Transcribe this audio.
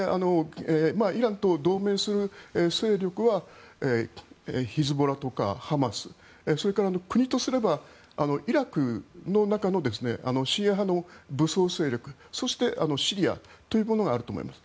イランと同盟する勢力はヒズボラとかハマスそれから国とすればイラクの中のシーア派の武装勢力そしてシリアというものがあると思います。